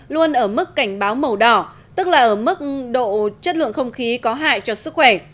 luôn ở mức cảnh báo màu đỏ tức là ở mức độ chất lượng không khí có hại cho sức khỏe